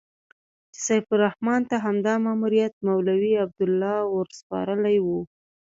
چې سیف الرحمن ته همدا ماموریت مولوي عبیدالله ورسپارلی و.